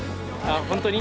本当に？